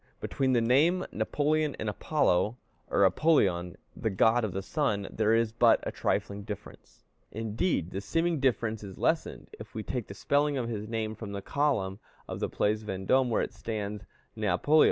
Between the name Napoleon and Apollo, or Apoleon, the god of the sun, there is but a trifling difference; indeed, the seeming difference is lessened, if we take the spelling of his name from the column of the Place Vendôme, where it stands Néapoleó.